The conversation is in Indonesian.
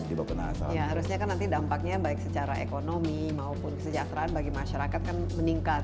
harusnya kan nanti dampaknya baik secara ekonomi maupun kesejahteraan bagi masyarakat kan meningkat